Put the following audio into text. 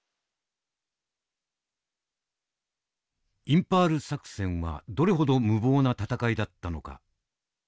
インパール作戦はどれほど無謀な戦いだったのか。